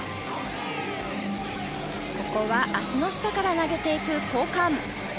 ここは足の下から投げていく交換。